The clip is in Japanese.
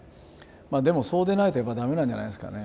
でもそうでないとやっぱダメなんじゃないですかね。